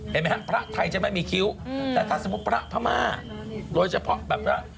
เห็นมั้ยฮะพระไทยใช่มั้ยมีคิ้วแต่ถ้าสมมติพระพม่าโดยเฉพาะแบบนั้น